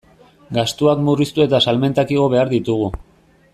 Gastuak murriztu eta salmentak igo behar ditugu.